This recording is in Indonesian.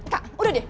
kak udah deh